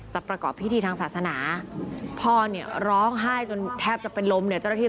จะประกอบพิธีทางศาสนาพ่อเนี่ยร้องไห้จนแทบจะเป็นล้มเนี่ย